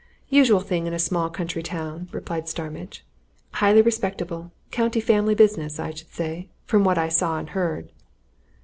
"Usual thing in a small country town," replied Starmidge. "Highly respectable, county family business, I should say, from what I saw and heard."